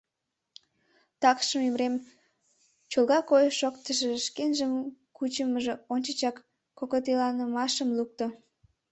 Такшым Имрен чолга койыш-шоктышыжо, шкенжым кучымыжо ончычак кокытеланымашым лукто.